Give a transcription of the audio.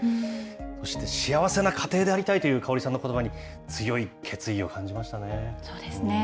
そして幸せな家庭でありたいという香織さんのことばに、強い決意そうですね。